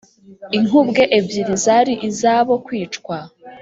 inkubwe ebyiri zari iz’abo kwicwa